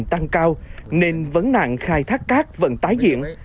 tăng cao nên vấn nạn khai thác cát vẫn tái diễn